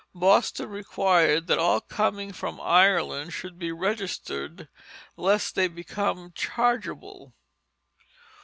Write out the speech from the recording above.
Boston required that all coming from Ireland should be registered "lest they become chargeable."